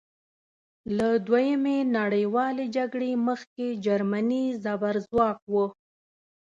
له دویمې نړیوالې جګړې مخکې جرمني زبرځواک وه.